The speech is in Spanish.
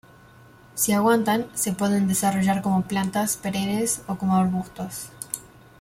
Si aguantan, se pueden desarrollar como plantas perennes o como arbustos.